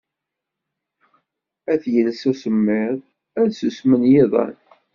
Ad t-yels usemmiḍ, ad susmen yiḍan